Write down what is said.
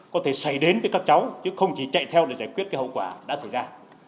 có thể xảy đến với các cháu chứ không chỉ chạy theo để giải quyết cái hậu quả đã xảy ra